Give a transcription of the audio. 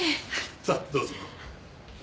さあどうぞ。